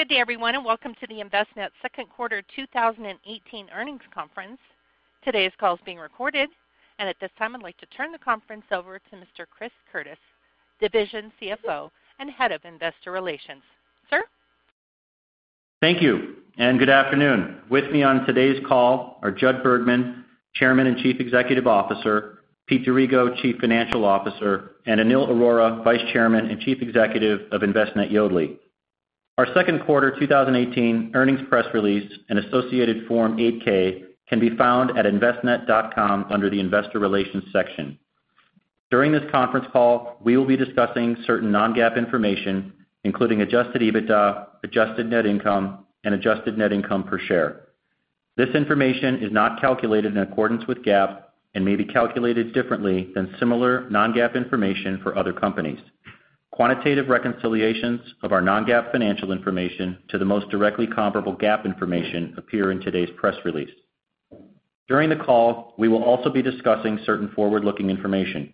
Good day, everyone. Welcome to the Envestnet second quarter 2018 earnings conference. Today's call is being recorded. At this time, I'd like to turn the conference over to Mr. Christopher Curtis, Division CFO and Head of Investor Relations. Sir? Thank you. Good afternoon. With me on today's call are Judd Bergman, Chairman and Chief Executive Officer, Pete D'Arrigo, Chief Financial Officer, and Anil Arora, Vice Chairman and Chief Executive of Envestnet | Yodlee. Our second quarter 2018 earnings press release and associated Form 8-K can be found at envestnet.com under the investor relations section. During this conference call, we will be discussing certain non-GAAP information, including adjusted EBITDA, adjusted net income, and adjusted net income per share. This information is not calculated in accordance with GAAP and may be calculated differently than similar non-GAAP information for other companies. Quantitative reconciliations of our non-GAAP financial information to the most directly comparable GAAP information appear in today's press release. During the call, we will also be discussing certain forward-looking information.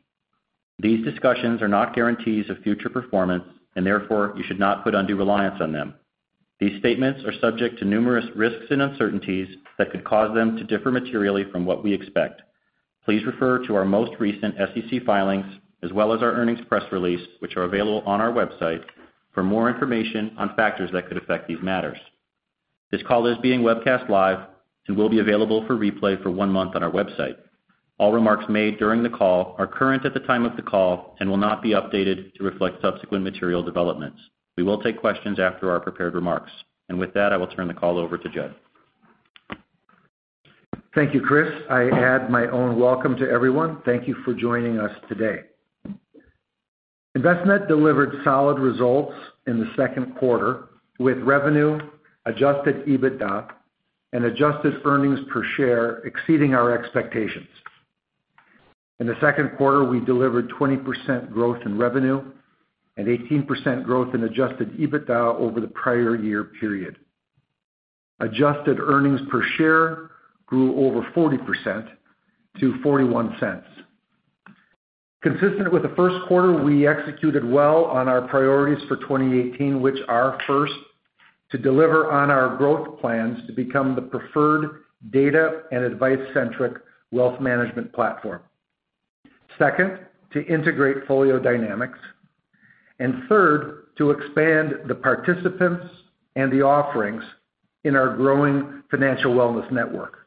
These discussions are not guarantees of future performance. Therefore, you should not put undue reliance on them. These statements are subject to numerous risks and uncertainties that could cause them to differ materially from what we expect. Please refer to our most recent SEC filings, as well as our earnings press release, which are available on our website, for more information on factors that could affect these matters. This call is being webcast live and will be available for replay for one month on our website. All remarks made during the call are current at the time of the call and will not be updated to reflect subsequent material developments. We will take questions after our prepared remarks. With that, I will turn the call over to Judd. Thank you, Chris. I add my own welcome to everyone. Thank you for joining us today. Envestnet delivered solid results in the second quarter, with revenue, adjusted EBITDA, and adjusted earnings per share exceeding our expectations. In the second quarter, we delivered 20% growth in revenue and 18% growth in adjusted EBITDA over the prior year period. Adjusted earnings per share grew over 40% to $0.41. Consistent with the first quarter, we executed well on our priorities for 2018, which are, first, to deliver on our growth plans to become the preferred data and advice-centric wealth management platform. Second, to integrate FolioDynamix. Third, to expand the participants and the offerings in our growing Financial Wellness Network.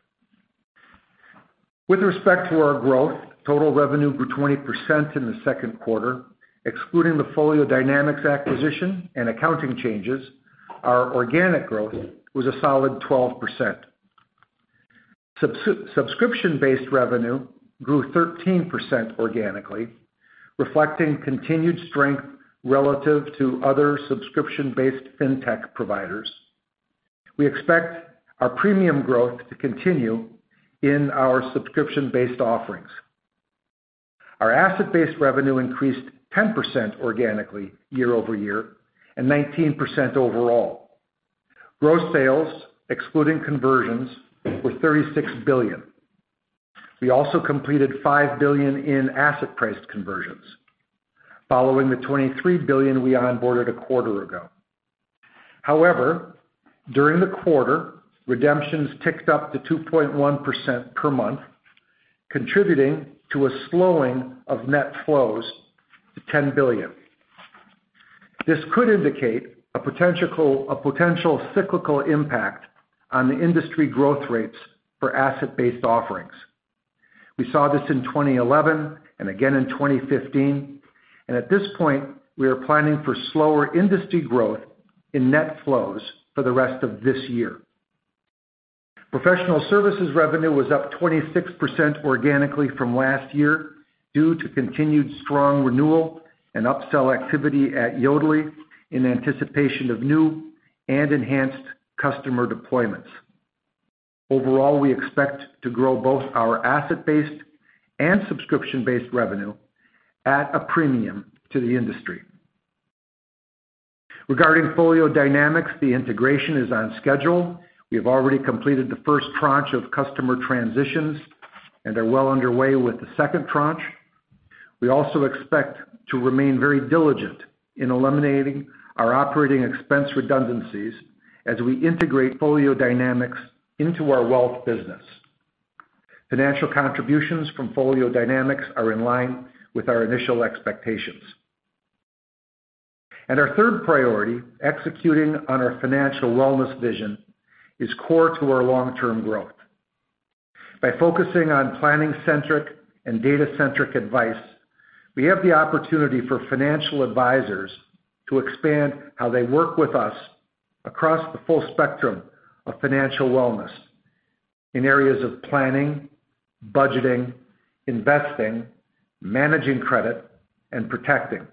With respect to our growth, total revenue grew 20% in the second quarter. Excluding the FolioDynamix acquisition and accounting changes, our organic growth was a solid 12%. Subscription-based revenue grew 13% organically, reflecting continued strength relative to other subscription-based fintech providers. We expect our premium growth to continue in our subscription-based offerings. Our asset-based revenue increased 10% organically year-over-year and 19% overall. Gross sales, excluding conversions, were $36 billion. We also completed $5 billion in asset price conversions following the $23 billion we onboarded a quarter ago. During the quarter, redemptions ticked up to 2.1% per month, contributing to a slowing of net flows to $10 billion. This could indicate a potential cyclical impact on the industry growth rates for asset-based offerings. We saw this in 2011 and again in 2015, and at this point, we are planning for slower industry growth in net flows for the rest of this year. Professional services revenue was up 26% organically from last year due to continued strong renewal and upsell activity at Yodlee in anticipation of new and enhanced customer deployments. Overall, we expect to grow both our asset-based and subscription-based revenue at a premium to the industry. Regarding FolioDynamix, the integration is on schedule. We have already completed the first tranche of customer transitions and are well underway with the second tranche. We also expect to remain very diligent in eliminating our operating expense redundancies as we integrate FolioDynamix into our wealth business. Financial contributions from FolioDynamix are in line with our initial expectations. Our third priority, executing on our financial wellness vision, is core to our long-term growth. By focusing on planning-centric and data-centric advice, we have the opportunity for financial advisors to expand how they work with us across the full spectrum of financial wellness in areas of planning, budgeting, investing, managing credit, and protecting.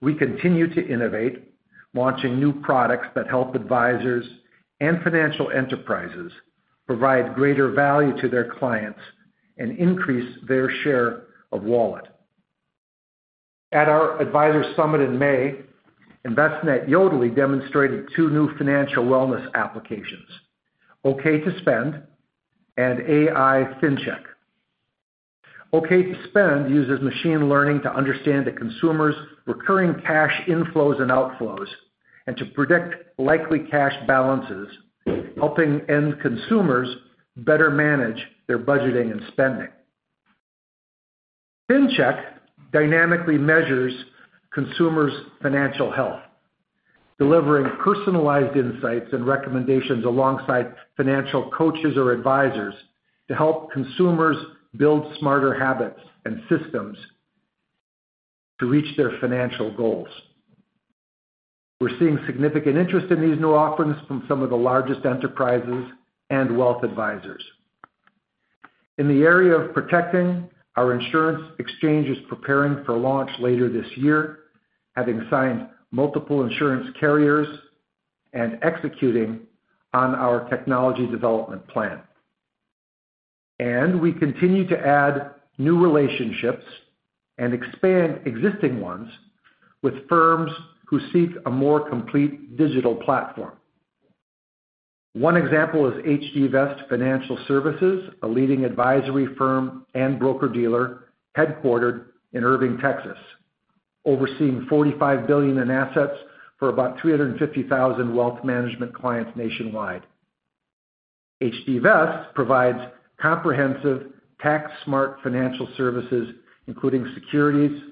We continue to innovate, launching new products that help advisors and financial enterprises provide greater value to their clients and increase their share of wallet. At our advisor summit in May, Envestnet | Yodlee demonstrated two new financial wellness applications, OK to Spend and AI FinCheck. OK to Spend uses machine learning to understand the consumer's recurring cash inflows and outflows, and to predict likely cash balances, helping end consumers better manage their budgeting and spending. AI FinCheck dynamically measures consumers' financial health, delivering personalized insights and recommendations alongside financial coaches or advisors to help consumers build smarter habits and systems to reach their financial goals. We're seeing significant interest in these new offerings from some of the largest enterprises and wealth advisors. In the area of protecting, our Envestnet Insurance Exchange is preparing for launch later this year, having signed multiple insurance carriers and executing on our technology development plan. We continue to add new relationships and expand existing ones with firms who seek a more complete digital platform. One example is HD Vest Financial Services, a leading advisory firm and broker-dealer headquartered in Irving, Texas, overseeing $45 billion in assets for about 350,000 wealth management clients nationwide. HD Vest provides comprehensive, tax-smart financial services including securities,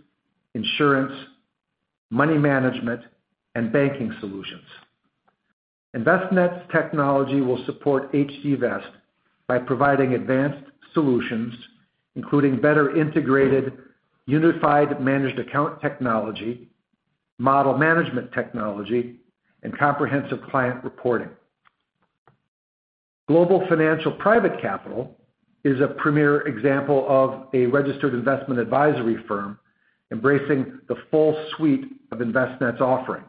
insurance, money management, and banking solutions. Envestnet's technology will support HD Vest by providing advanced solutions, including better integrated Unified Managed Accounts technology, model management technology, and comprehensive client reporting. Global Financial Private Capital is a premier example of a registered investment advisory firm embracing the full suite of Envestnet's offering.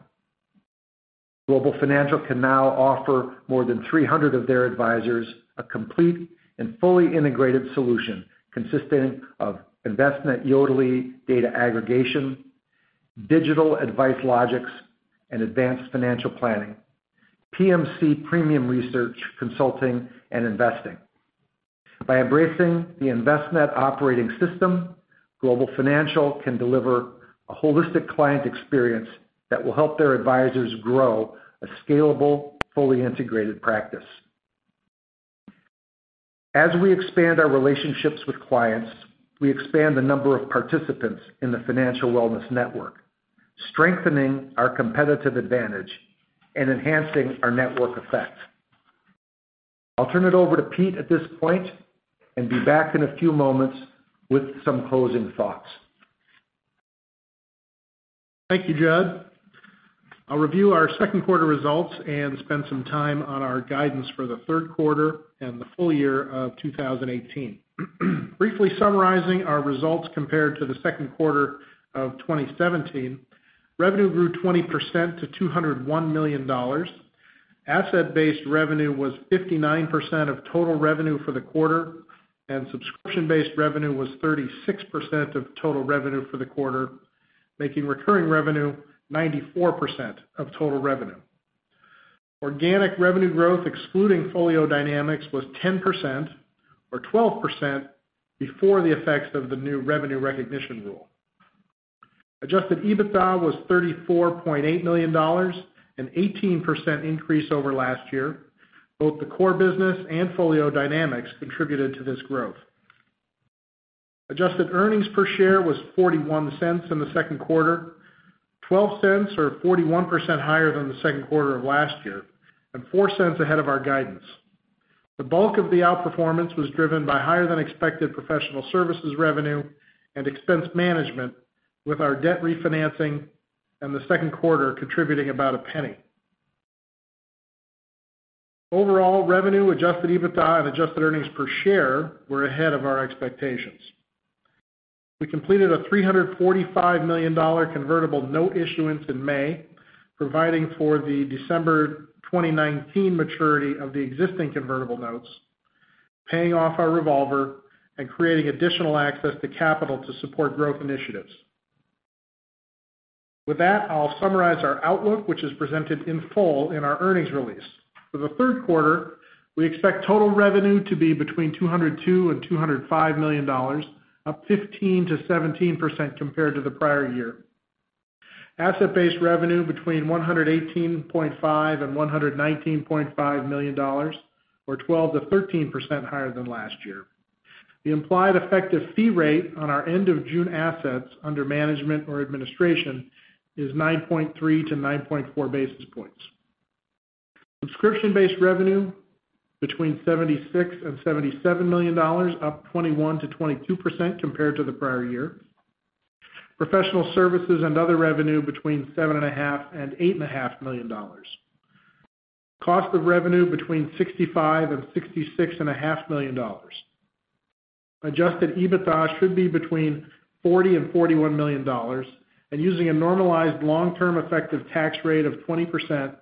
Global Financial can now offer more than 300 of their advisors a complete and fully integrated solution consisting of Envestnet | Yodlee data aggregation, Finance Logix, and advanced financial planning, PMC premium research, consulting, and investing. By embracing the Envestnet operating system, Global Financial can deliver a holistic client experience that will help their advisors grow a scalable, fully integrated practice. As we expand our relationships with clients, we expand the number of participants in the Financial Wellness Network, strengthening our competitive advantage and enhancing our network effect. I'll turn it over to Pete at this point and be back in a few moments with some closing thoughts. Thank you, Judd. I'll review our second quarter results and spend some time on our guidance for the third quarter and the full year of 2018. Briefly summarizing our results compared to the second quarter of 2017, revenue grew 20% to $201 million. Asset-based revenue was 59% of total revenue for the quarter, and subscription-based revenue was 36% of total revenue for the quarter, making recurring revenue 94% of total revenue. Organic revenue growth, excluding FolioDynamix, was 10%, or 12% before the effects of the new revenue recognition rule. Adjusted EBITDA was $34.8 million, an 18% increase over last year. Both the core business and FolioDynamix contributed to this growth. Adjusted earnings per share was $0.41 in the second quarter, $0.12 or 41% higher than the second quarter of last year, and $0.04 ahead of our guidance. The bulk of the outperformance was driven by higher than expected professional services revenue and expense management, with our debt refinancing in the second quarter contributing about $0.01. Overall, revenue, adjusted EBITDA, and adjusted earnings per share were ahead of our expectations. We completed a $345 million convertible note issuance in May, providing for the December 2019 maturity of the existing convertible notes, paying off our revolver, and creating additional access to capital to support growth initiatives. I'll summarize our outlook, which is presented in full in our earnings release. For the third quarter, we expect total revenue to be between $202 million and $205 million, up 15%-17% compared to the prior year. Asset-based revenue between $118.5 million and $119.5 million, or 12%-13% higher than last year. The implied effective fee rate on our end of June assets under management or administration is 9.3 to 9.4 basis points. Subscription-based revenue between $76 million and $77 million, up 21%-22% compared to the prior year. Professional services and other revenue between $7.5 million and $8.5 million. Cost of revenue between $65 million and $66.5 million. Adjusted EBITDA should be between $40 million and $41 million. Using a normalized long-term effective tax rate of 27%,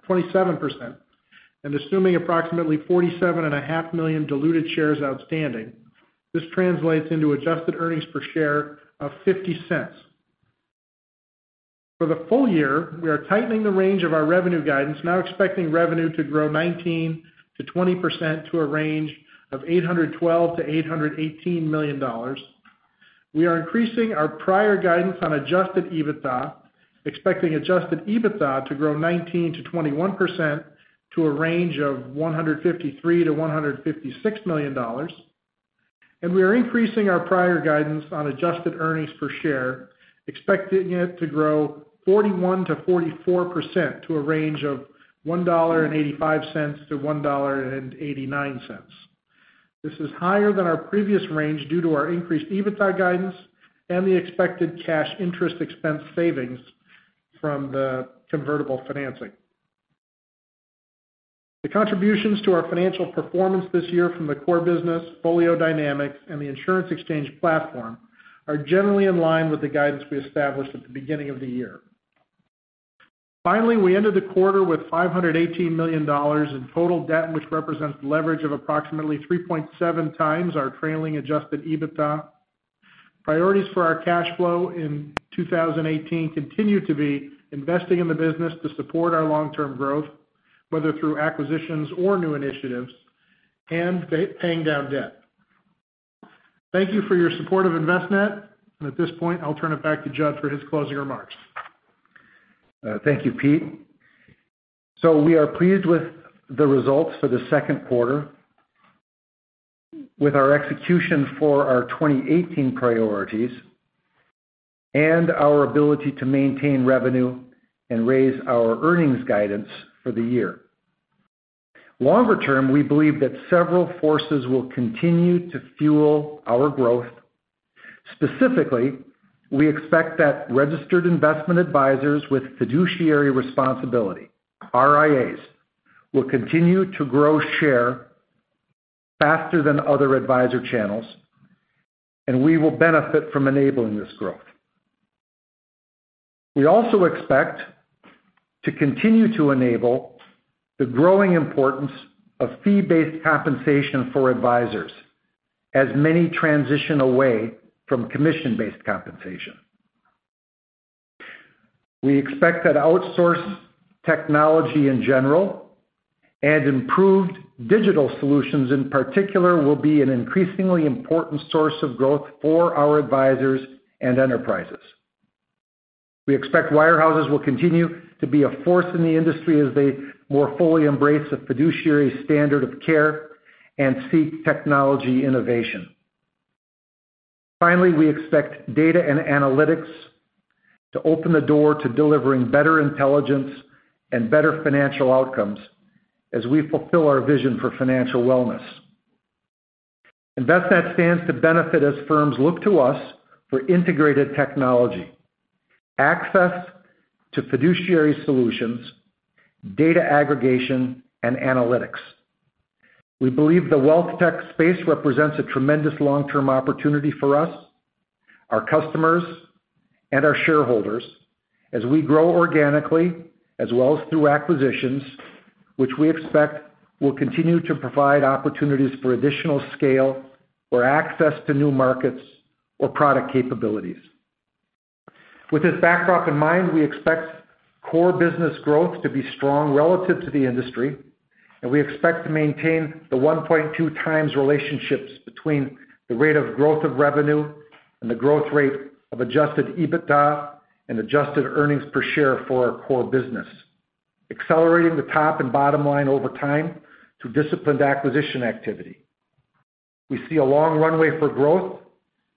and assuming approximately 47.5 million diluted shares outstanding, this translates into adjusted earnings per share of $0.50. For the full year, we are tightening the range of our revenue guidance, now expecting revenue to grow 19%-20% to a range of $812 million to $818 million. We are increasing our prior guidance on adjusted EBITDA, expecting adjusted EBITDA to grow 19%-21% to a range of $153 million to $156 million. We are increasing our prior guidance on adjusted earnings per share, expecting it to grow 41%-44% to a range of $1.85-$1.89. This is higher than our previous range due to our increased EBITDA guidance and the expected cash interest expense savings from the convertible financing. The contributions to our financial performance this year from the core business, FolioDynamix, and the Insurance Exchange platform are generally in line with the guidance we established at the beginning of the year. Finally, we ended the quarter with $518 million in total debt, which represents leverage of approximately 3.7 times our trailing adjusted EBITDA. Priorities for our cash flow in 2018 continue to be investing in the business to support our long-term growth, whether through acquisitions or new initiatives, and paying down debt. Thank you for your support of Envestnet. At this point, I'll turn it back to Judd for his closing remarks. Thank you, Pete. We are pleased with the results for the second quarter, with our execution for our 2018 priorities, and our ability to maintain revenue and raise our earnings guidance for the year. Longer term, we believe that several forces will continue to fuel our growth. Specifically, we expect that registered investment advisors with fiduciary responsibility, RIAs, will continue to grow share faster than other advisor channels, and we will benefit from enabling this growth. We also expect to continue to enable the growing importance of fee-based compensation for advisors, as many transition away from commission-based compensation. We expect that outsourced technology in general, and improved digital solutions in particular, will be an increasingly important source of growth for our advisors and enterprises. We expect wirehouses will continue to be a force in the industry as they more fully embrace a fiduciary standard of care and seek technology innovation. Finally, we expect data and analytics to open the door to delivering better intelligence and better financial outcomes as we fulfill our vision for financial wellness. Envestnet stands to benefit as firms look to us for integrated technology, access to fiduciary solutions, data aggregation, and analytics. We believe the wealth tech space represents a tremendous long-term opportunity for us, our customers, and our shareholders as we grow organically, as well as through acquisitions, which we expect will continue to provide opportunities for additional scale or access to new markets or product capabilities. With this backdrop in mind, we expect core business growth to be strong relative to the industry, and we expect to maintain the 1.2 times relationships between the rate of growth of revenue and the growth rate of adjusted EBITDA and adjusted earnings per share for our core business, accelerating the top and bottom line over time through disciplined acquisition activity. We see a long runway for growth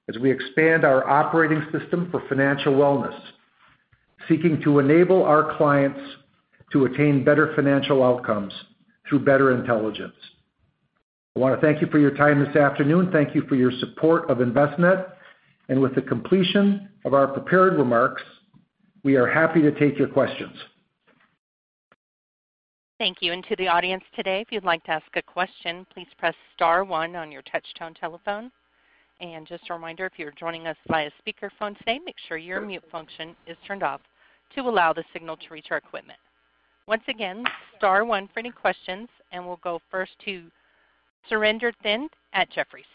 as we expand our operating system for financial wellness, seeking to enable our clients to attain better financial outcomes through better intelligence. I want to thank you for your time this afternoon. Thank you for your support of Envestnet. With the completion of our prepared remarks, we are happy to take your questions. Thank you. To the audience today, if you'd like to ask a question, please press *1 on your touchtone telephone. Just a reminder, if you're joining us via speakerphone today, make sure your mute function is turned off to allow the signal to reach our equipment. Once again, *1 for any questions, we'll go first to Surinder Thind at Jefferies.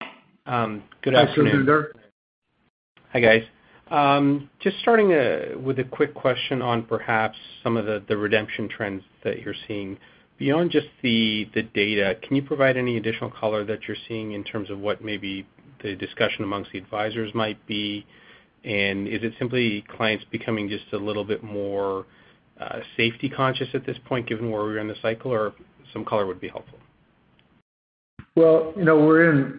Hi, Surinder. Good afternoon. Hi, guys. Just starting with a quick question on perhaps some of the redemption trends that you're seeing. Beyond just the data, can you provide any additional color that you're seeing in terms of what maybe the discussion amongst the advisors might be? Is it simply clients becoming just a little bit more safety conscious at this point, given where we are in the cycle, or some color would be helpful. We're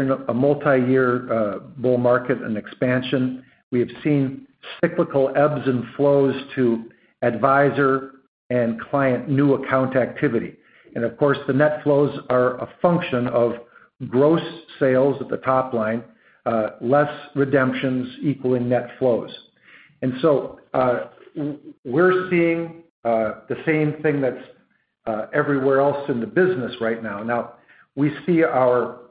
in a multi-year bull market and expansion. We have seen cyclical ebbs and flows to advisor and client new account activity. Of course, the net flows are a function of gross sales at the top line, less redemptions equaling net flows. We're seeing the same thing that's everywhere else in the business right now. We see our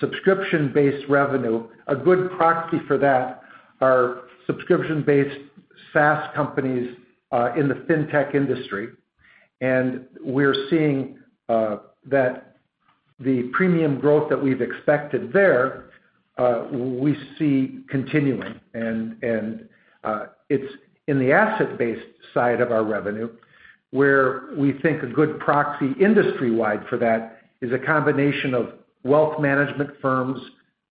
subscription-based revenue. A good proxy for that are subscription-based SaaS companies in the fintech industry. We're seeing that the premium growth that we've expected there, we see continuing. It's in the asset-based side of our revenue, where we think a good proxy industry-wide for that is a combination of wealth management firms,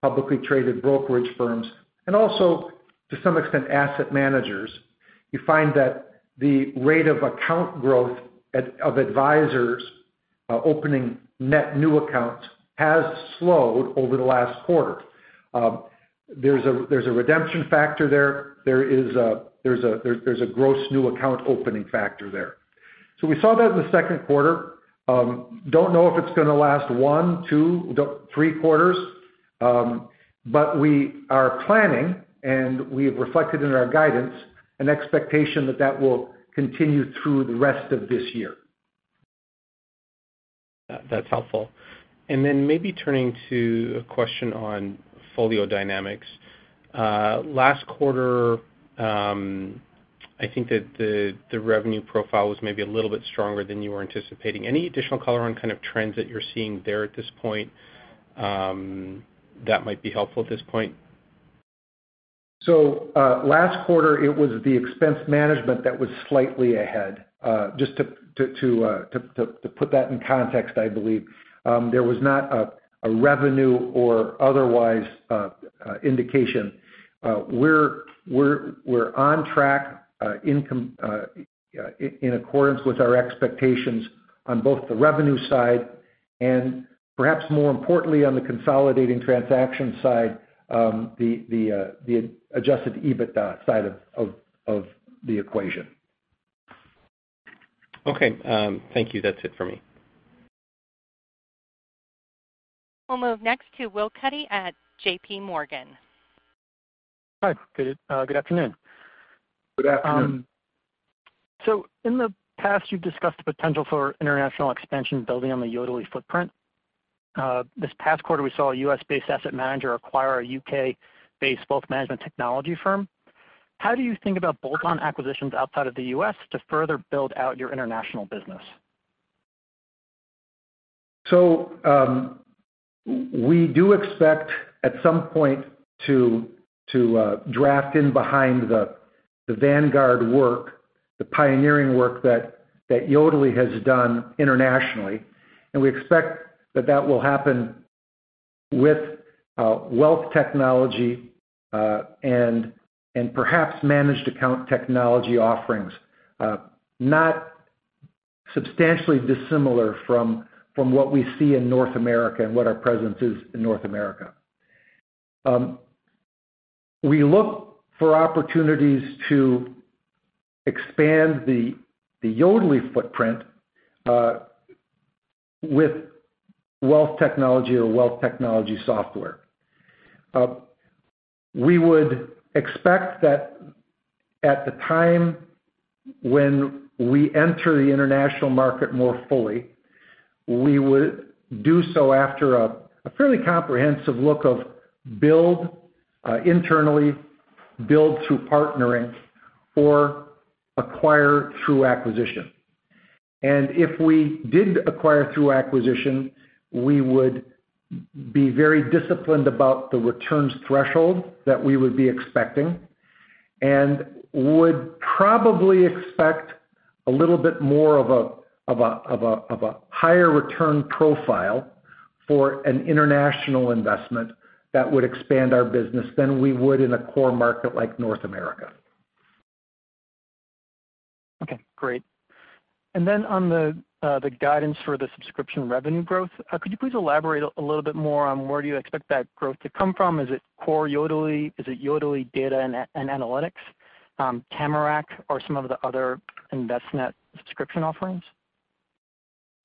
publicly traded brokerage firms, and also, to some extent, asset managers. You find that the rate of account growth of advisors opening net new accounts has slowed over the last quarter. There's a redemption factor there. There's a gross new account opening factor there. We saw that in the second quarter. Don't know if it's going to last one, two, three quarters. We are planning, and we have reflected in our guidance, an expectation that that will continue through the rest of this year. That's helpful. Maybe turning to a question on FolioDynamix. Last quarter, I think that the revenue profile was maybe a little bit stronger than you were anticipating. Any additional color on kind of trends that you're seeing there at this point, that might be helpful at this point? Last quarter, it was the expense management that was slightly ahead. Just to put that in context, I believe. There was not a revenue or otherwise indication. We're on track in accordance with our expectations on both the revenue side and perhaps more importantly, on the consolidating transaction side, the adjusted EBITDA side of the equation. Okay. Thank you. That's it for me. We'll move next to Will Cuddy at JPMorgan. Hi. Good afternoon. Good afternoon. In the past, you've discussed the potential for international expansion building on the Yodlee footprint. This past quarter, we saw a U.S.-based asset manager acquire a U.K.-based wealth management technology firm. How do you think about bolt-on acquisitions outside of the U.S. to further build out your international business? We do expect at some point to draft in behind the vanguard work, the pioneering work that Yodlee has done internationally, and we expect that that will happen with wealth technology, and perhaps managed account technology offerings. Not substantially dissimilar from what we see in North America and what our presence is in North America. We look for opportunities to expand the Yodlee footprint, with wealth technology or wealth technology software. We would expect that at the time when we enter the international market more fully, we would do so after a fairly comprehensive look of build internally, build through partnering, or acquire through acquisition. If we did acquire through acquisition, we would be very disciplined about the returns threshold that we would be expecting and would probably expect a little bit more of a higher return profile for an international investment that would expand our business than we would in a core market like North America. Okay, great. Then on the guidance for the subscription revenue growth, could you please elaborate a little bit more on where do you expect that growth to come from? Is it core Yodlee? Is it Yodlee data and analytics, Tamarac or some of the other Envestnet subscription offerings?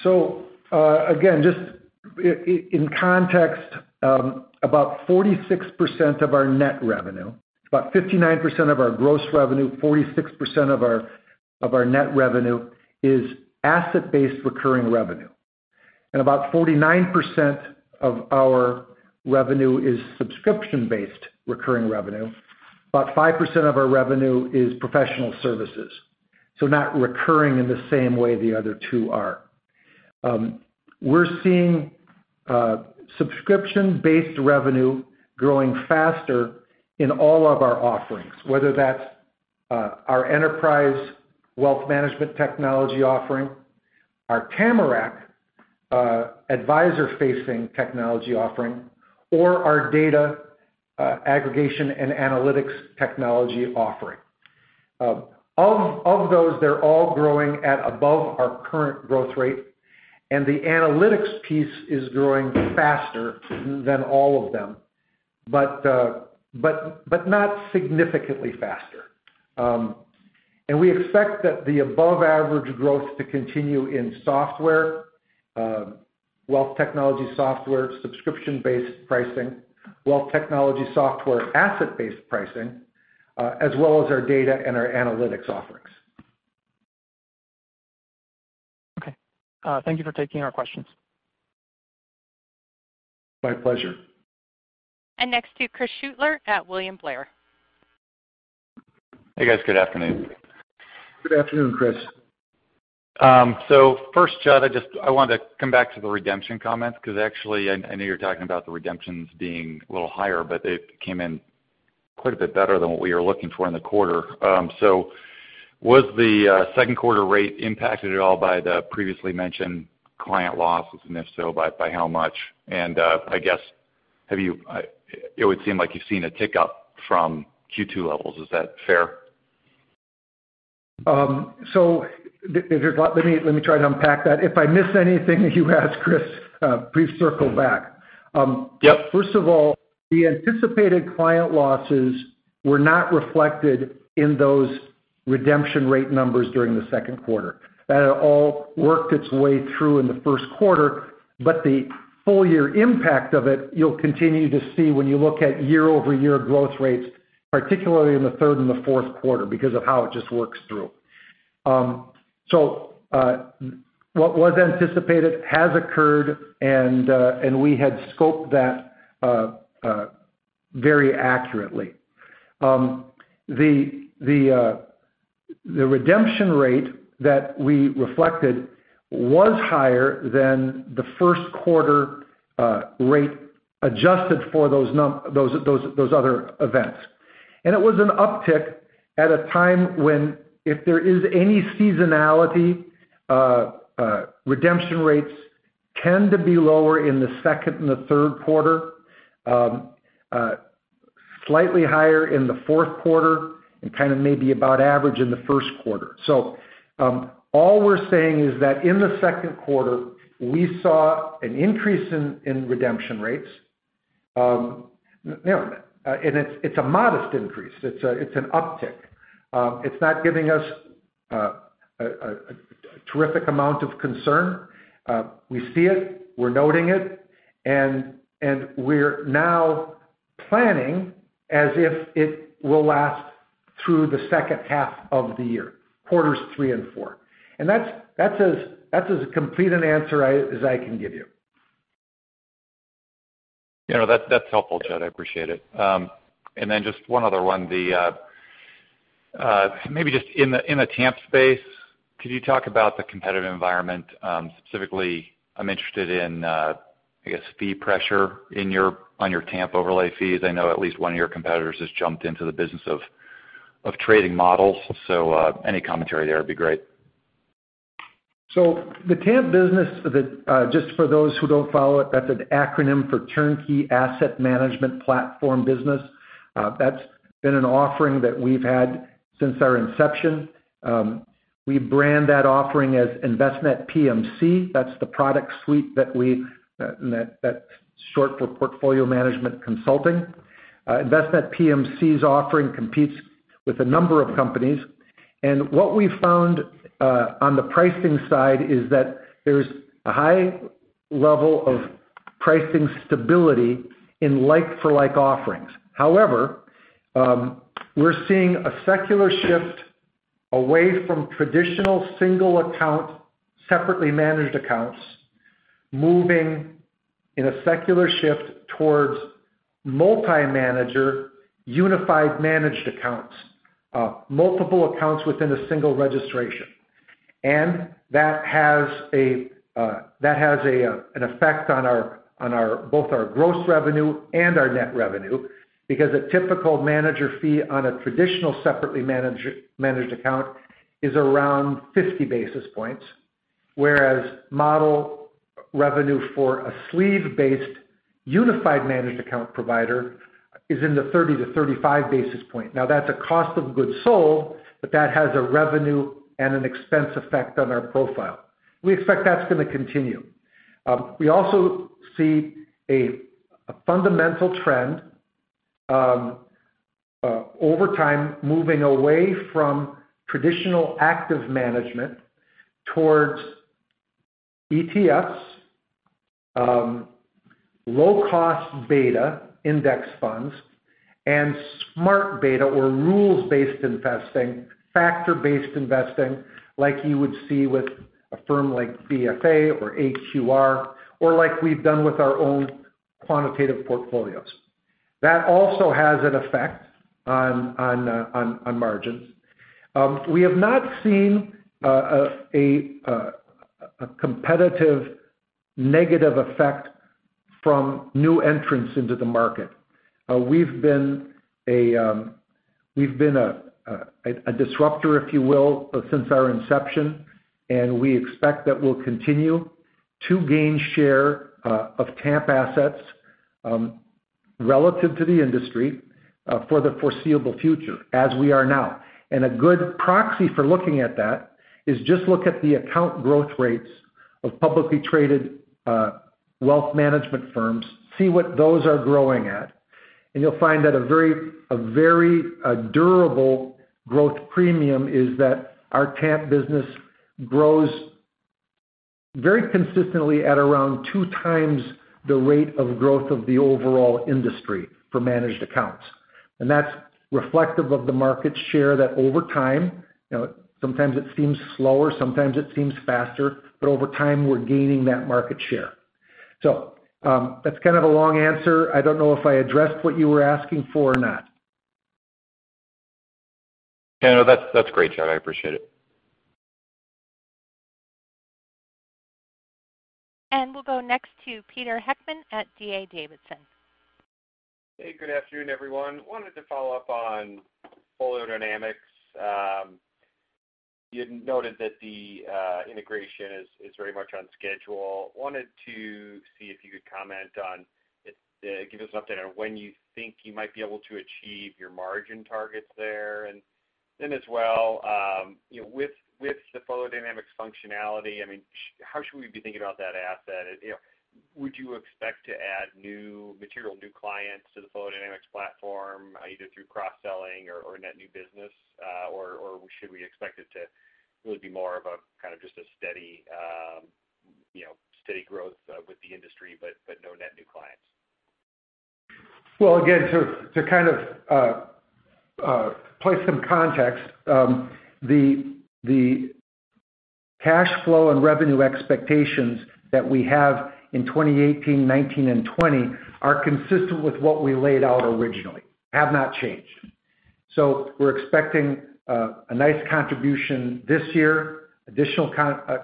Again, just in context, about 46% of our net revenue, about 59% of our gross revenue, 46% of our net revenue is asset-based recurring revenue. About 49% of our revenue is subscription-based recurring revenue. About 5% of our revenue is professional services, so not recurring in the same way the other two are. We're seeing subscription-based revenue growing faster in all of our offerings, whether that's our enterprise wealth management technology offering, our Tamarac advisor-facing technology offering, or our data aggregation and analytics technology offering. Of those, they're all growing at above our current growth rate, and the analytics piece is growing faster than all of them, but not significantly faster. We expect that the above-average growth to continue in software, wealth technology software, subscription-based pricing, wealth technology software asset-based pricing, as well as our data and our analytics offerings. Okay. Thank you for taking our questions. My pleasure. Next to Chris Shutler at William Blair. Hey guys. Good afternoon. Good afternoon, Chris. First, Judd, I wanted to come back to the redemption comments because actually, I know you're talking about the redemptions being a little higher, it came in quite a bit better than what we were looking for in the quarter. Was the second quarter rate impacted at all by the previously mentioned client losses, and if so, by how much? I guess it would seem like you've seen a tick up from Q2 levels. Is that fair? Let me try to unpack that. If I miss anything you ask, Chris, please circle back. Yep. First of all, the anticipated client losses were not reflected in those redemption rate numbers during the second quarter. That had all worked its way through in the first quarter, but the full year impact of it, you'll continue to see when you look at year-over-year growth rates, particularly in the third and the fourth quarter, because of how it just works through. What was anticipated has occurred, and we had scoped that very accurately. The redemption rate that we reflected was higher than the first quarter rate adjusted for those other events. It was an uptick at a time when, if there is any seasonality, redemption rates tend to be lower in the second and the third quarter. Slightly higher in the fourth quarter, maybe about average in the first quarter. All we're saying is that in the second quarter we saw an increase in redemption rates. It's a modest increase. It's an uptick. It's not giving us a terrific amount of concern. We see it, we're noting it, we're now planning as if it will last through the second half of the year, quarters 3 and 4. That's as complete an answer as I can give you. That's helpful, Judd. I appreciate it. Just one other one, maybe just in the TAMP space, could you talk about the competitive environment? Specifically, I'm interested in, I guess, fee pressure on your TAMP overlay fees. I know at least one of your competitors has jumped into the business of trading models. Any commentary there would be great. The TAMP business, just for those who don't follow it, that's an acronym for Turnkey Asset Management Platform business. That's been an offering that we've had since our inception. We brand that offering as Envestnet | PMC. That's the product suite that's short for Portfolio Management Consulting. Envestnet | PMC's offering competes with a number of companies, what we've found, on the pricing side, is that there's a high level of pricing stability in like for like offerings. However, we're seeing a secular shift away from traditional single account, separately managed accounts, moving in a secular shift towards multi-manager, unified managed accounts, multiple accounts within a single registration. That has an effect on both our gross revenue and our net revenue because a typical manager fee on a traditional separately managed account is around 50 basis points, whereas model revenue for a sleeve-based unified managed account provider is in the 30 to 35 basis points. That's a cost of goods sold. That has a revenue and an expense effect on our profile. We expect that's going to continue. We also see a fundamental trend, over time, moving away from traditional active management towards ETFs, low-cost beta index funds, and smart beta or rules-based investing, factor-based investing like you would see with a firm like DFA or AQR, or like we've done with our own quantitative portfolios. That also has an effect on margins. We have not seen a competitive negative effect from new entrants into the market. We've been a disruptor, if you will, since our inception. We expect that we'll continue to gain share of TAMP assets, relative to the industry, for the foreseeable future as we are now. A good proxy for looking at that is just look at the account growth rates of publicly traded wealth management firms, see what those are growing at, and you'll find that a very durable growth premium is that our TAMP business grows very consistently at around two times the rate of growth of the overall industry for managed accounts. That's reflective of the market share that over time, sometimes it seems slower, sometimes it seems faster, over time, we're gaining that market share. That's kind of a long answer. I don't know if I addressed what you were asking for or not. No, that's great, Judd. I appreciate it. We'll go next to Peter Heckmann at D.A. Davidson. Hey, good afternoon, everyone. Wanted to follow up on FolioDynamix. You noted that the integration is very much on schedule. Wanted to see if you could comment on, give us an update on when you think you might be able to achieve your margin targets there. As well, with the FolioDynamix functionality, how should we be thinking about that asset? Would you expect to add material new clients to the FolioDynamix platform, either through cross-selling or net new business? Should we expect it to really be more of a kind of just a steady growth with the industry but no net new clients? Again, to kind of place some context, the cash flow and revenue expectations that we have in 2018, 2019, and 2020 are consistent with what we laid out originally, have not changed. We're expecting a nice contribution this year, additional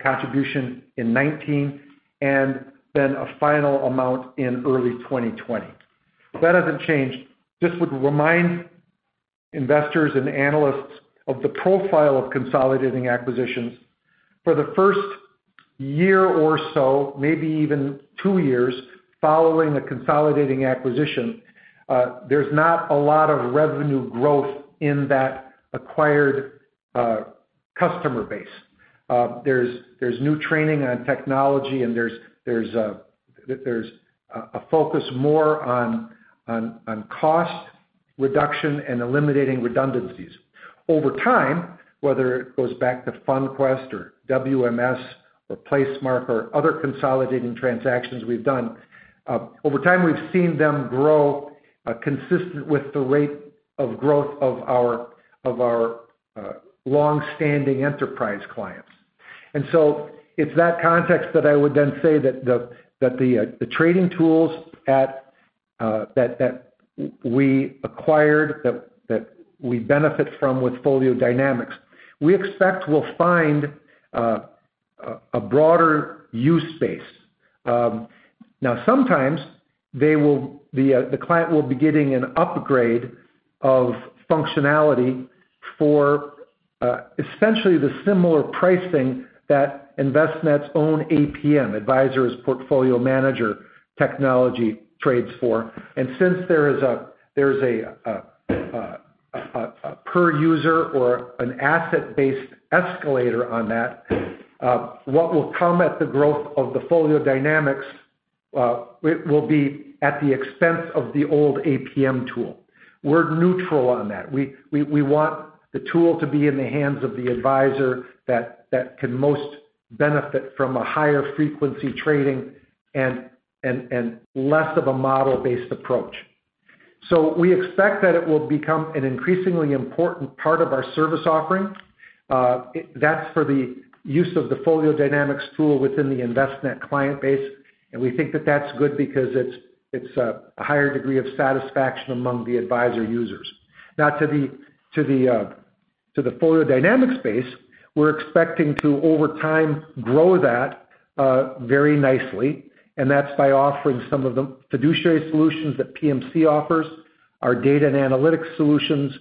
contribution in 2019, and then a final amount in early 2020. That hasn't changed. Just would remind investors and analysts of the profile of consolidating acquisitions. For the first year or so, maybe even two years following a consolidating acquisition, there's not a lot of revenue growth in that acquired customer base. There's new training on technology, and there's a focus more on cost reduction and eliminating redundancies. Over time, whether it goes back to FundQuest or WMS or Placemark or other consolidating transactions we've done, over time, we've seen them grow consistent with the rate of growth of our longstanding enterprise clients. It's that context that I would then say that the trading tools that we acquired, that we benefit from with FolioDynamix, we expect will find a broader use space. Now, sometimes, the client will be getting an upgrade of functionality for essentially the similar pricing that Envestnet's own APM, Advisor as Portfolio Manager technology trades for. Since there's a per-user or an asset-based escalator on that, what will come at the growth of the FolioDynamix will be at the expense of the old APM tool. We're neutral on that. We want the tool to be in the hands of the advisor that can most benefit from a higher frequency trading and less of a model-based approach. We expect that it will become an increasingly important part of our service offering. That's for the use of the FolioDynamix tool within the Envestnet client base. We think that that's good because it's a higher degree of satisfaction among the advisor users. Now to the FolioDynamix space, we're expecting to, over time, grow that very nicely, and that's by offering some of the fiduciary solutions that PMC offers, our data and analytics solutions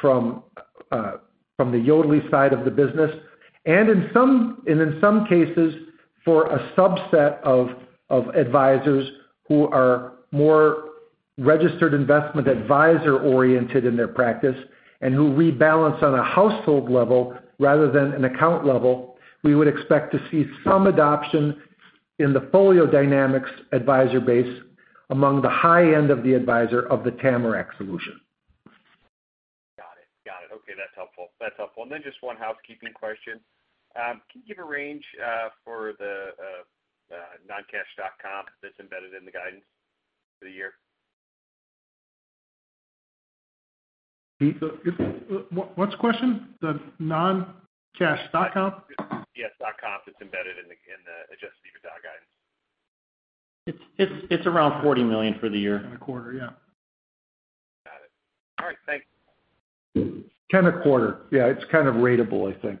from the Yodlee side of the business. In some cases, for a subset of advisors who are more registered investment advisor-oriented in their practice and who rebalance on a household level rather than an account level, we would expect to see some adoption in the FolioDynamix advisor base among the high end of the advisor of the Tamarac solution. Got it. Okay, that's helpful. Just one housekeeping question. Can you give a range for the non-cash comp that's embedded in the guidance for the year? Pete? What's the question? The non-cash comp? Yes, comp that's embedded in the adjusted EBITDA guidance. It's around $40 million for the year. A quarter, yeah. Got it. All right, thanks. 10 a quarter. Yeah, it's kind of ratable, I think.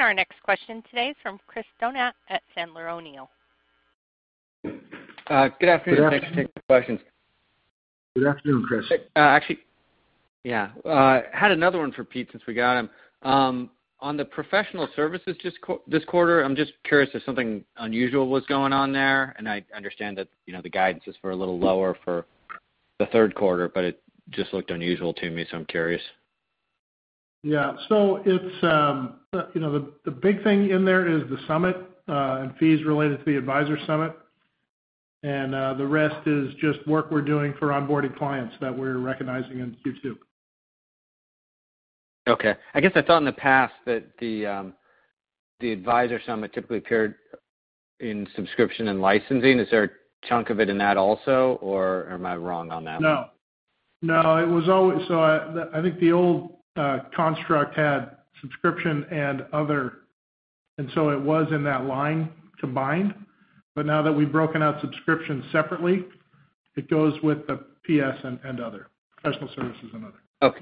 Our next question today is from Chris Donat at Sandler O'Neill. Good afternoon. Thanks for taking the questions. Good afternoon, Chris. Actually, yeah. Had another one for Pete since we got him. On the professional services this quarter, I'm just curious if something unusual was going on there. I understand that the guidance is for a little lower for the third quarter, it just looked unusual to me, so I'm curious. Yeah. The big thing in there is the summit, fees related to the advisor summit. The rest is just work we're doing for onboarding clients that we're recognizing in Q2. Okay. I guess I thought in the past that the advisor summit typically appeared in subscription and licensing. Is there a chunk of it in that also, or am I wrong on that? No. I think the old construct had subscription and other, it was in that line combined. Now that we've broken out subscription separately, it goes with the PS and other, professional services and other. Okay.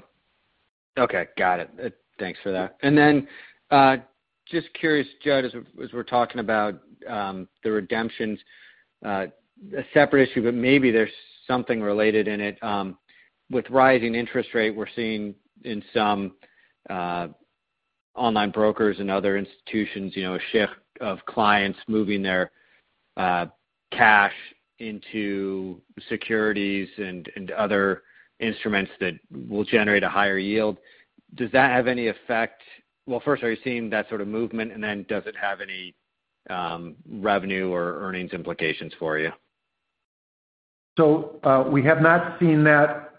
Got it. Thanks for that. Just curious, Judd, as we're talking about the redemptions. A separate issue, but maybe there's something related in it. With rising interest rate, we're seeing in some online brokers and other institutions, a shift of clients moving their cash into securities and other instruments that will generate a higher yield. Does that have any effect? Well, first, are you seeing that sort of movement, does it have any revenue or earnings implications for you? We have not seen that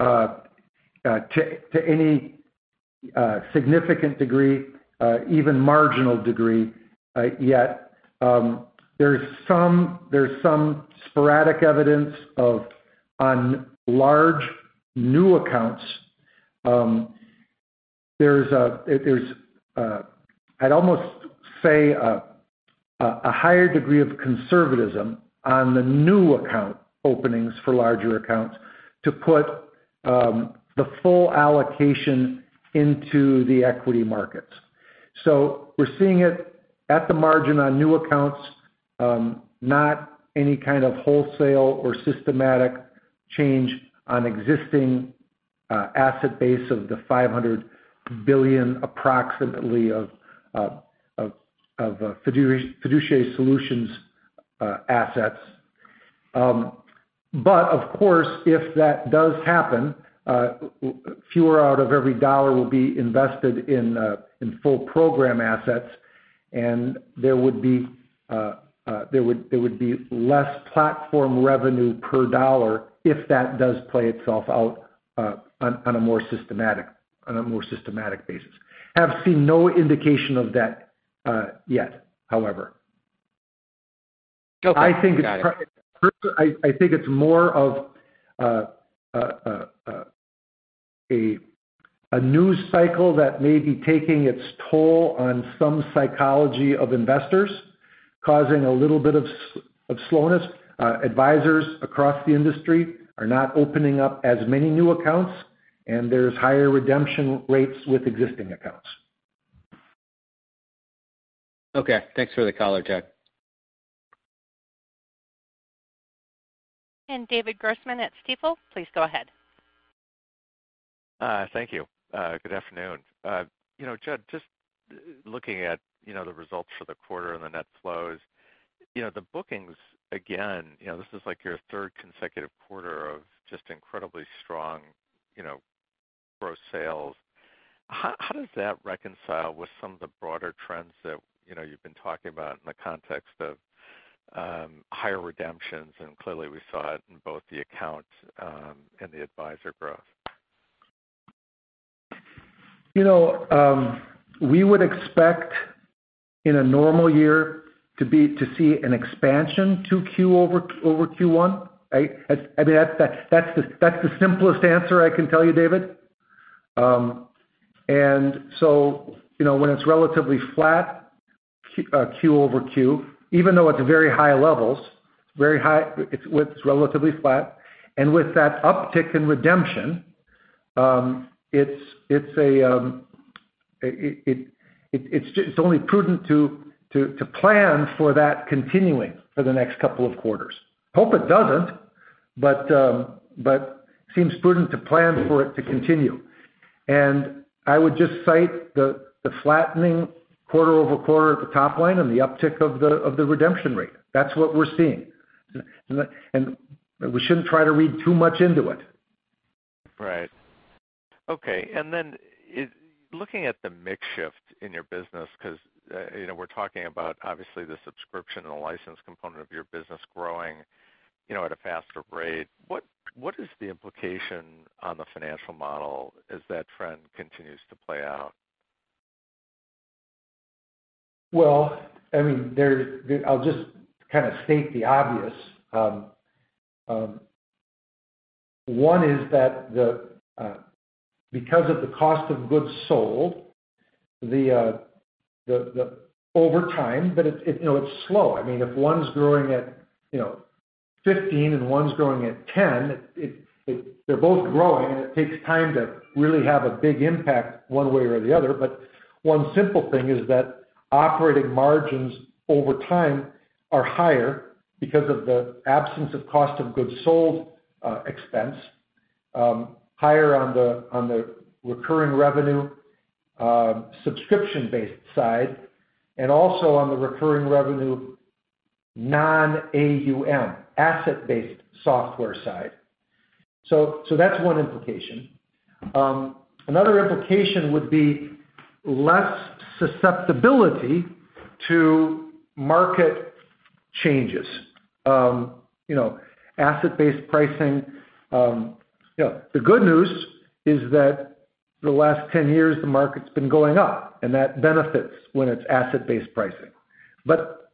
to any significant degree, even marginal degree, yet. There's some sporadic evidence of on large new accounts. There's, I'd almost say, a higher degree of conservatism on the new account openings for larger accounts to put the full allocation into the equity markets. We're seeing it at the margin on new accounts, not any kind of wholesale or systematic change on existing asset base of the $500 billion approximately of fiduciary solutions assets. Of course, if that does happen, fewer out of every dollar will be invested in full program assets, and there would be less platform revenue per dollar if that does play itself out on a more systematic basis. Have seen no indication of that yet, however. Okay. Got it. I think it's more of a news cycle that may be taking its toll on some psychology of investors, causing a little bit of slowness. Advisors across the industry are not opening up as many new accounts, and there's higher redemption rates with existing accounts. Okay. Thanks for the color, Judd. David Grossman at Stifel, please go ahead. Thank you. Good afternoon. Judd, just looking at the results for the quarter and the net flows. The bookings, again, this is like your third consecutive quarter of just incredibly strong gross sales. How does that reconcile with some of the broader trends that you've been talking about in the context of higher redemptions? Clearly we saw it in both the accounts and the advisor growth. We would expect in a normal year to see an expansion to Q over Q1, right? That's the simplest answer I can tell you, David. When it's relatively flat, Q-over-Q, even though at very high levels, it's relatively flat. With that uptick in redemption, it's only prudent to plan for that continuing for the next couple of quarters. Hope it doesn't, but seems prudent to plan for it to continue. I would just cite the flattening quarter-over-quarter at the top line and the uptick of the redemption rate. That's what we're seeing. We shouldn't try to read too much into it. Right. Okay. Looking at the mix shift in your business, because we're talking about obviously the subscription and the license component of your business growing at a faster rate. What is the implication on the financial model as that trend continues to play out? Well, I'll just state the obvious. One is that because of the cost of goods sold, over time, but it's slow. If one's growing at 15 and one's growing at 10, they're both growing, it takes time to really have a big impact one way or the other. One simple thing is that operating margins over time are higher because of the absence of cost of goods sold expense, higher on the recurring revenue, subscription-based side, and also on the recurring revenue, non-AUM, asset-based software side. That's one implication. Another implication would be less susceptibility to market- changes. Asset-based pricing. The good news is that for the last 10 years, the market's been going up, and that benefits when it's asset-based pricing.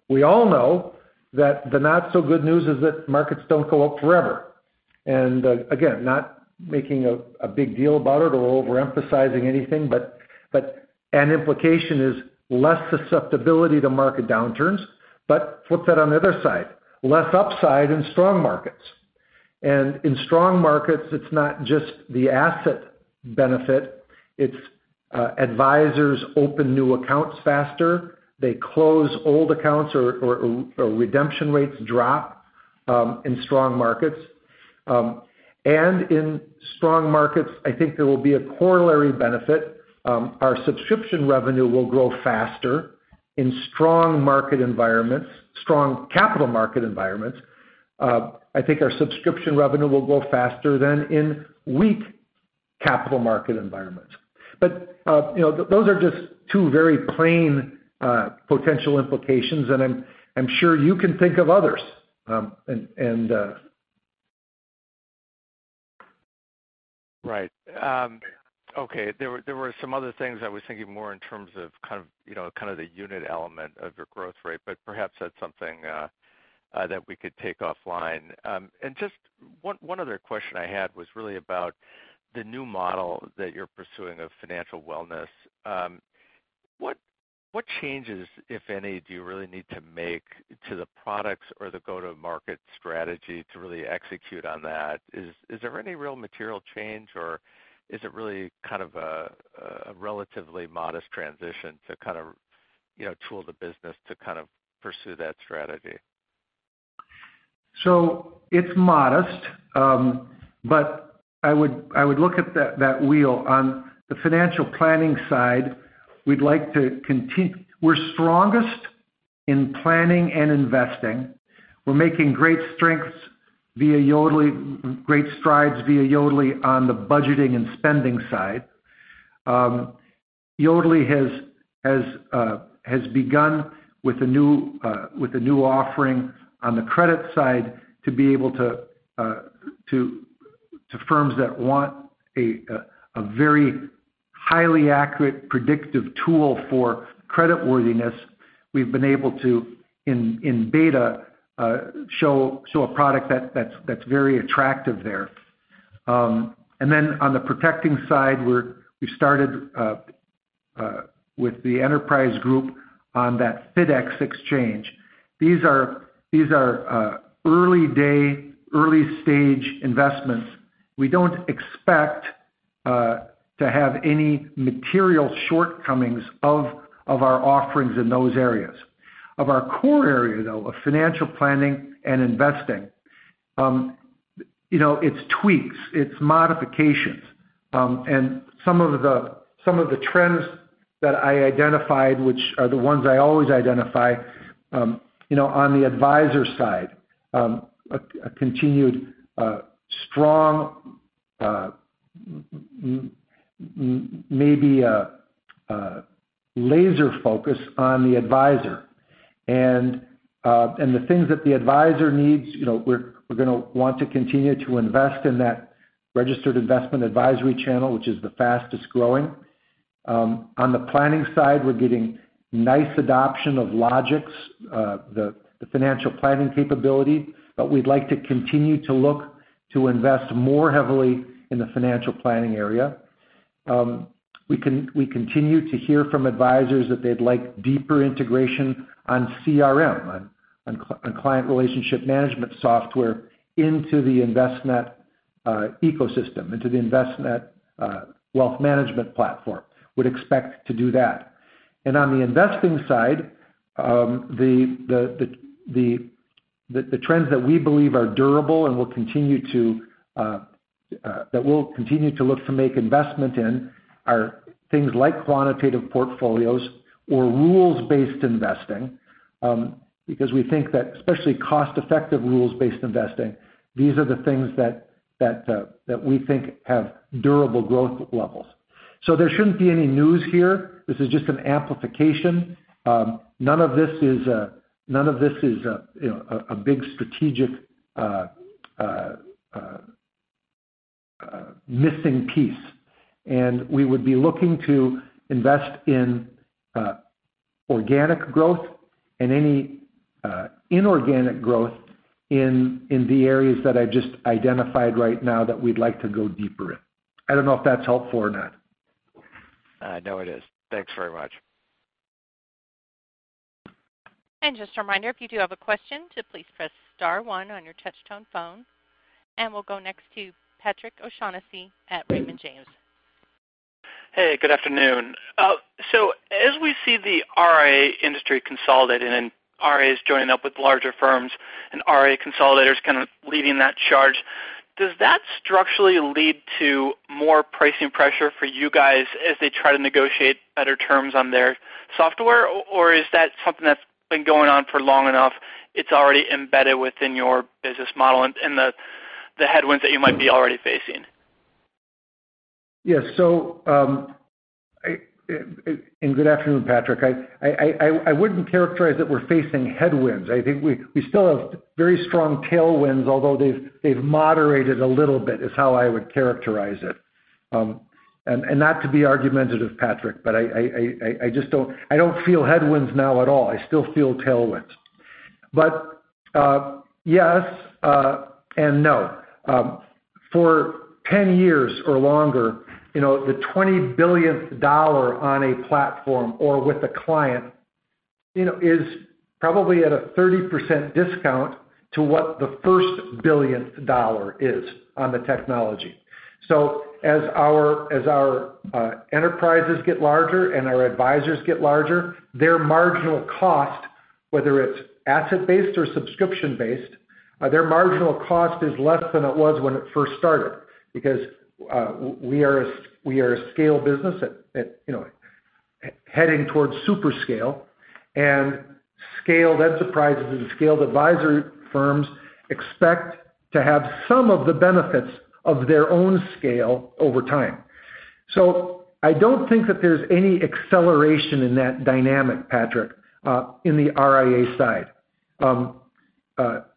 We all know that the not-so-good news is that markets don't go up forever. Again, not making a big deal about it or overemphasizing anything, but an implication is less susceptibility to market downturns, but flip that on the other side, less upside in strong markets. In strong markets, it's not just the asset benefit, it's advisors open new accounts faster. They close old accounts or redemption rates drop in strong markets. In strong markets, I think there will be a corollary benefit. Our subscription revenue will grow faster in strong market environments, strong capital market environments. I think our subscription revenue will grow faster than in weak capital market environments. Those are just two very plain potential implications, and I'm sure you can think of others. Right. Okay. There were some other things I was thinking more in terms of the unit element of your growth rate, but perhaps that's something that we could take offline. Just one other question I had was really about the new model that you're pursuing of financial wellness. What changes, if any, do you really need to make to the products or the go-to-market strategy to really execute on that? Is there any real material change, or is it really a relatively modest transition to tool the business to pursue that strategy? It's modest. I would look at that wheel. On the financial planning side, we're strongest in planning and investing. We're making great strides via Yodlee on the budgeting and spending side. Yodlee has begun with a new offering on the credit side to be able to firms that want a very highly accurate predictive tool for credit worthiness. We've been able to, in beta, show a product that's very attractive there. Then on the protecting side, we started with the enterprise group on that FIDx exchange. These are early day, early stage investments. We don't expect to have any material shortcomings of our offerings in those areas. Of our core area, though, of financial planning and investing, it's tweaks, it's modifications. Some of the trends that I identified, which are the ones I always identify, on the advisor side, a continued strong, maybe a laser focus on the advisor. The things that the advisor needs, we're going to want to continue to invest in that registered investment advisory channel, which is the fastest growing. On the planning side, we're getting nice adoption of Logix, the financial planning capability, but we'd like to continue to look to invest more heavily in the financial planning area. We continue to hear from advisors that they'd like deeper integration on CRM, on client relationship management software into the Envestnet ecosystem, into the Envestnet Wealth Management platform. Would expect to do that. On the investing side, the trends that we believe are durable and that we'll continue to look to make investment in are things like quantitative portfolios or rules-based investing because we think that, especially cost-effective rules-based investing, these are the things that we think have durable growth levels. There shouldn't be any news here. This is just an amplification. None of this is a big strategic missing piece, we would be looking to invest in organic growth and any inorganic growth in the areas that I've just identified right now that we'd like to go deeper in. I don't know if that's helpful or not. No, it is. Thanks very much. Just a reminder, if you do have a question, to please press star one on your touch-tone phone. We'll go next to Patrick O'Shaughnessy at Raymond James. Good afternoon. As we see the RIA industry consolidating and RIAs joining up with larger firms and RIA consolidators kind of leading that charge, does that structurally lead to more pricing pressure for you guys as they try to negotiate better terms on their software? Is that something that's been going on for long enough, it's already embedded within your business model and the headwinds that you might be already facing? Yes. Good afternoon, Patrick. I wouldn't characterize it we're facing headwinds. I think we still have very strong tailwinds, although they've moderated a little bit, is how I would characterize it. Not to be argumentative, Patrick, but I don't feel headwinds now at all. I still feel tailwinds. Yes, and no. For 10 years or longer, the 20 billionth dollar on a platform or with a client is probably at a 30% discount to what the 1st billionth dollar is on the technology. As our enterprises get larger and our advisors get larger, their marginal cost, whether it's asset-based or subscription-based, their marginal cost is less than it was when it first started because we are a scale business heading towards super scale, and scaled enterprises and scaled advisory firms expect to have some of the benefits of their own scale over time. I don't think that there's any acceleration in that dynamic, Patrick, in the RIA side.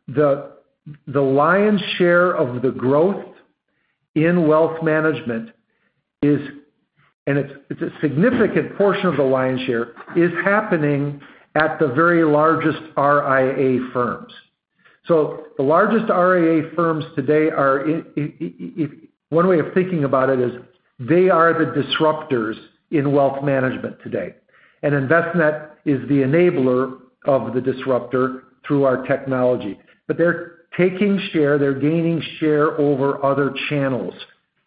The lion's share of the growth in wealth management is, and it's a significant portion of the lion's share, is happening at the very largest RIA firms. The largest RIA firms today are, one way of thinking about it is they are the disruptors in wealth management today. Envestnet is the enabler of the disruptor through our technology. They're taking share, they're gaining share over other channels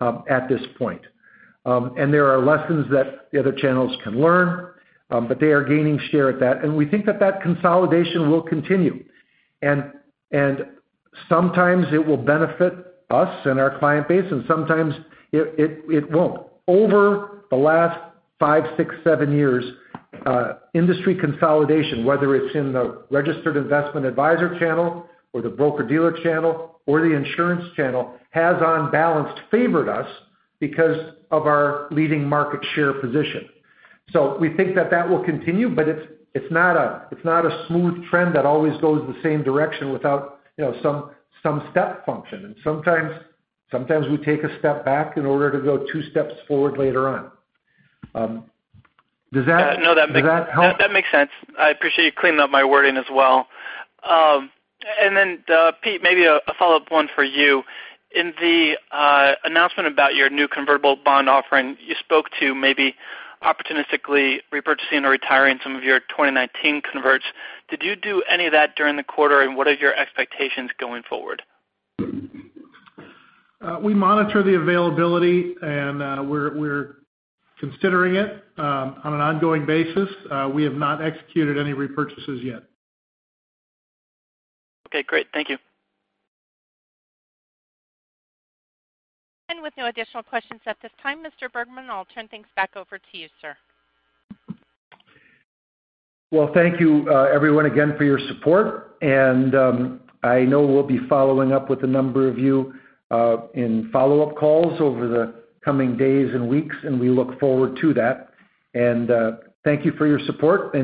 at this point. There are lessons that the other channels can learn, but they are gaining share at that. We think that that consolidation will continue. Sometimes it will benefit us and our client base, and sometimes it won't. Over the last five, six, seven years, industry consolidation, whether it's in the registered investment advisor channel or the broker-dealer channel or the insurance channel, has on balanced favored us because of our leading market share position. We think that that will continue, but it's not a smooth trend that always goes the same direction without some step function. Sometimes we take a step back in order to go two steps forward later on. Does that help? No, that makes sense. I appreciate you cleaning up my wording as well. Pete, maybe a follow-up one for you. In the announcement about your new convertible bond offering, you spoke to maybe opportunistically repurchasing or retiring some of your 2019 converts. Did you do any of that during the quarter, and what are your expectations going forward? We monitor the availability, and we're considering it on an ongoing basis. We have not executed any repurchases yet. Okay, great. Thank you. With no additional questions at this time, Mr. Bergman, I'll turn things back over to you, sir. Well, thank you everyone again for your support, and I know we'll be following up with a number of you in follow-up calls over the coming days and weeks, and we look forward to that. Thank you for your support.